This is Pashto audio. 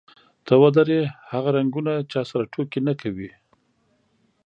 ته ودرې، هغه رنګونه چا سره ټوکې نه کوي.